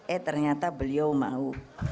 eh ternyata beliau mau